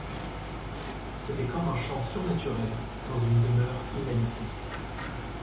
C'était comme un chant surnaturel dans une demeure inhabitée.